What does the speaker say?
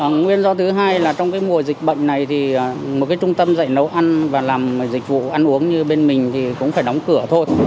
nguyên do thứ hai là trong mùa dịch bệnh này thì một trung tâm dạy nấu ăn và làm dịch vụ ăn uống như bên mình thì cũng phải đóng cửa thôi